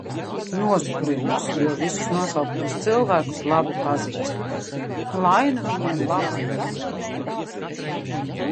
Noskurinos, jo visus nosauktos cilvēkus labi pazīstu. Lai nu viņiem laba veselība!